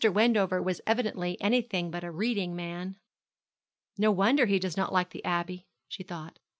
Wendover was evidently anything but a reading man. 'No wonder he does not like the Abbey,' she thought.